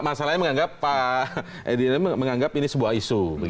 masalahnya menganggap pak edi ini menganggap ini sebuah isu